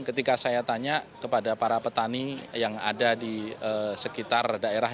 ketika saya tanya kepada para petani yang ada di sekitar daerah